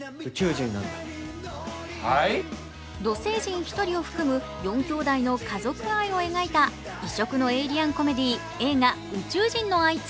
土星人１人を含む４兄弟の家族愛を描いた異色のエイリアンコメディ映画「宇宙人のあいつ」。